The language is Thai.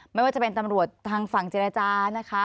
ไม่ว่าจะเป็นตำรวจทางฝั่งเจรจานะคะ